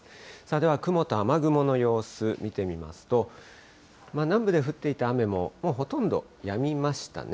では雲と雨雲の様子、見てみますと、南部で降っていた雨ももうほとんどやみましたね。